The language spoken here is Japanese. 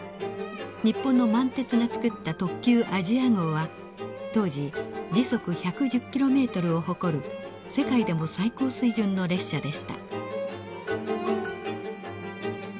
日本の満鉄が作った特急あじあ号は当時時速１１０キロメートルを誇る世界でも最高水準の列車でした。